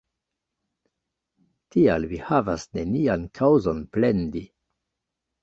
Tial vi havas nenian kaŭzon plendi.